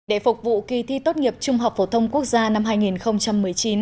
để phục vụ kỳ thi tốt nghiệp trung học phổ thông quốc gia năm hai nghìn một mươi chín